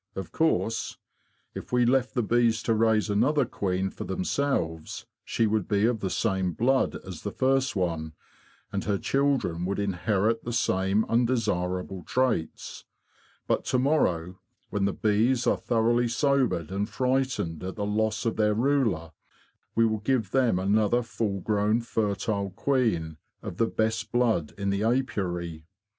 Of course, if we left the bees to raise another queen for themselves, she would be of the same blood as the first one, and her children would inherit the same undesirable traits. But to morrow, when the bees are thoroughly sobered and frightened at the loss of their ruler, we will give them another full grown fertile queen of the best blood in the apiary.